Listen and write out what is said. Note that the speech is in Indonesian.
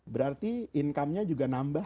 berarti income nya juga nambah